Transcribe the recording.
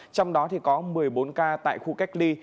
trong đó có một mươi bốn ca tại khu cách ly